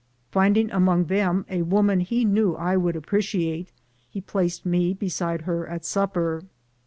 Finding among them a woman he knew I would appreciate, he placed me beside her at snpper.